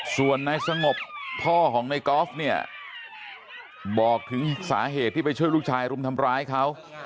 ส่วนนายสงบพ่อของในกอล์ฟเนี่ยบอกถึงสาเหตุที่ไปช่วยลูกชายรุมทำร้ายเขา